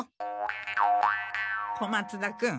小松田君